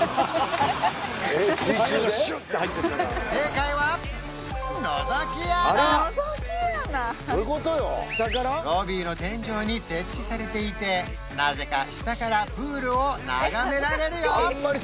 正解はロビーの天井に設置されていてなぜか下からプールを眺められるよ